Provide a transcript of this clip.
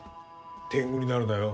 天狗になるなよ。